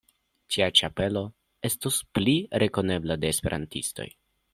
Tia ĉapelo estus pli rekonebla de Esperantistoj.